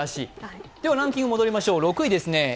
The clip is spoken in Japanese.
ランキング戻りましょう、６位ですね。